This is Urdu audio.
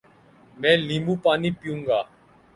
میں لیموں پانی پیوں گا